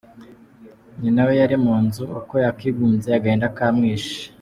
Nyina, we yari mu nzu Uko yakigunze Agahinda kamwishe.